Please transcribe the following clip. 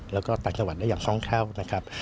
แล้วก็ต่างจังหวัดได้อย่างคล่องแคล่วนะครับ